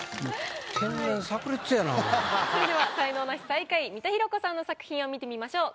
それでは才能ナシ最下位三田寛子さんの作品を見てみましょう。